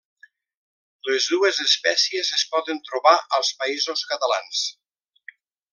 Les dues espècies es poden trobar als Països Catalans.